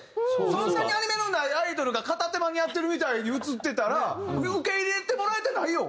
そんなにアニメのないアイドルが片手間にやってるみたいに映ってたら受け入れてもらえてないよ。